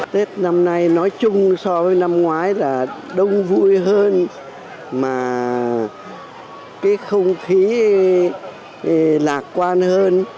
tết năm nay nói chung so với năm ngoái là đông vui hơn mà cái không khí lạc quan hơn